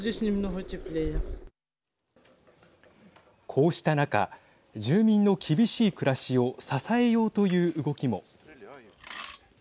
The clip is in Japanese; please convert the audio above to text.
こうした中住民の厳しい暮らしを支えようという動きも。